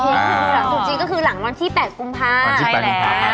โอเคคือหลังจุดจีนก็คือหลังวันที่๘คุมภาพันธ์